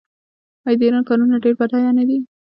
آیا د ایران کانونه ډیر بډایه نه دي؟